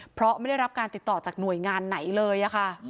เพราะไม่ได้รับการติดต่อจากหน่วยงานไหนเลยค่ะ